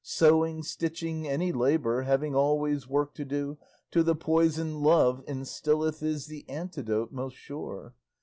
Sewing, stitching, any labour, Having always work to do, To the poison Love instilleth Is the antidote most sure.